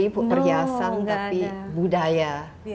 perhiasan tapi budaya